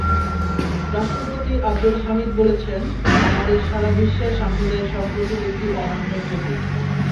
রাষ্ট্রপতি আবদুল হামিদ বলেছেন, বাংলাদেশ সারা বিশ্বে সাম্প্রদায়িক সম্প্রীতির একটি অনন্য প্রতীক।